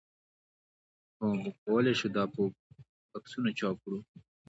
هو موږ کولی شو دا په بکسونو چاپ کړو